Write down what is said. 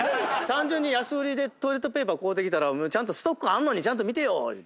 安売りでトイレットペーパー買うてきたら「ストックあんのにちゃんと見てよ」